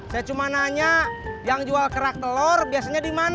saya cuma nanya yang jual kerak telur biasanya di mana